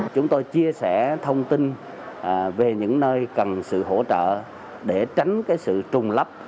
chúng tôi chia sẻ thông tin về những nơi cần sự hỗ trợ để tránh sự trùng lấp